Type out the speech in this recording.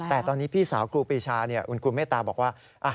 แต่ตอนนี้พี่สาวครูปีชาคุณครูเมตตาบอกว่า